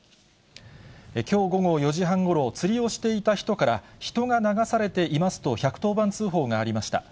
きょう午後４時半ごろ、釣りをしていた人から、人が流されていますと１１０番通報がありました。